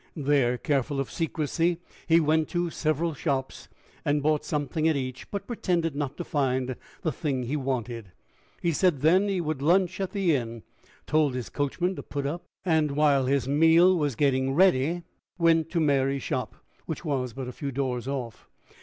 There, careful of secrecy, he went to several shops, and bought something at each, but pretended not to find the thing he wanted. He then said he would lunch at the inn, told his coachman to put up, and, while his meal was getting ready, went to Mary's shop, which was but a few doors off.